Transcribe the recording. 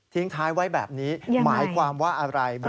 ทิ้งท้ายไว้แบบนี้หมายความว่าอะไรยังไง